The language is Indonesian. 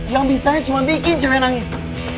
yang bisanya cuma bikin cewek nangis